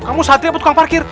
kamu satri apa tukang parkir